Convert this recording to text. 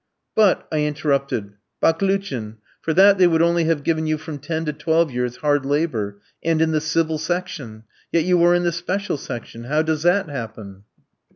"But," I interrupted, "Baklouchin, for that they would only have given you from ten to twelve years' hard labour, and in the civil section; yet you are in the special section. How does that happen?"